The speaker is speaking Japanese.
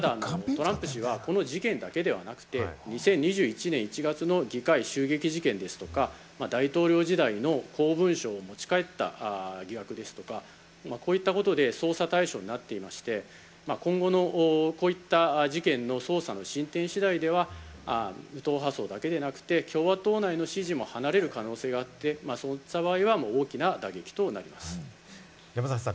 ただトランプ氏はこの事件だけではなくて、２０２１年１月の議会襲撃事件ですとか、大統領時代の公文書を持ち帰った疑惑ですとか、こういったことで捜査対象になっていまして、今後のこういった事件の捜査の進展次第では、無党派層だけではなくて共和党内の支持も離れる可能性があって、そういった場合は大きな打撃となります。